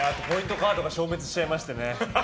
カードが消滅しちゃいましてね。